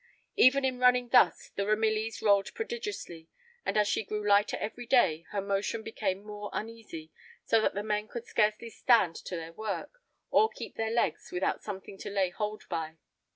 Even in running thus the Ramillies rolled prodigiously, and as she grew lighter every day her motion became the more uneasy, so that the men could scarcely stand to their work, or keep their legs without something to lay hold by.